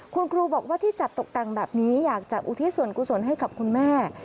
คุณครูบอกว่าที่จัดตกแต่งแบบนี้อยากจะอุทิศส่วนกุศลให้กับคุณแม่